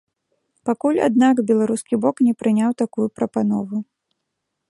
Пакуль, аднак, беларускі бок не прыняў такую прапанову.